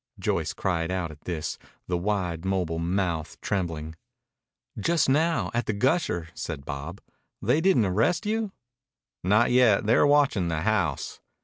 Joyce cried out at this, the wide, mobile mouth trembling. "Just now. At the Gusher," said Bob. "They didn't arrest you?" "Not yet. They're watchin' the house.